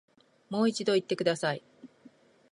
もう一度言ってください